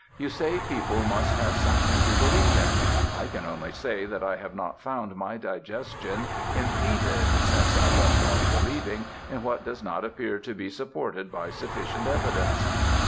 You say people must have something to believe in. I can only say that I have not found my digestion impeded since I left off believing in what does not appear to be supported by sufficient evidence."